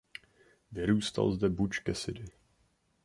Vyrůstal zde Butch Cassidy.